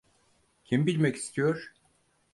Kim bilmek istiyor?